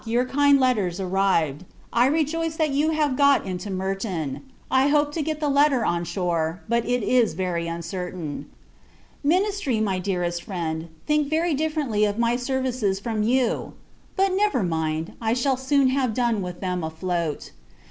Your kind letters are arrived. I rejoice that you have got into Merton. I hope to get the letter on shore; but, it is very uncertain. Ministry, my dearest friend, think very differently of my services from you! But, never mind; I shall soon have done with them afloat.